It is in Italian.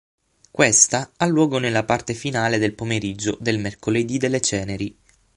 Questa ha luogo nella parte finale del pomeriggio del mercoledì delle ceneri.